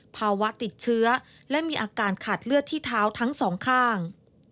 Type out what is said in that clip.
ภาวะติดเชื้อและมีอาการขาดเลือดที่เท้าทั้งสองข้าง